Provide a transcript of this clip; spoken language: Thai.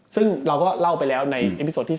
ซึ่งเราก็เล่าไปแล้วในเอ็มพิโซที่๓